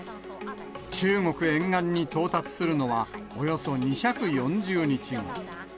中国沿岸に到達するのはおよそ２４０日後。